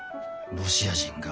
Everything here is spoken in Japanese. ロシア人が？